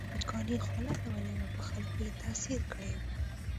وچکالۍ خوله لګولې وه په خلکو یې تاثیر کړی و.